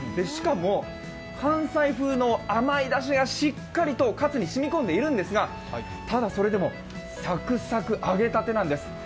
しかも、関西風の甘いだしがしっかりとかつに染み込んでいるんですが、ただ、それでもサクサク揚げたてなんです。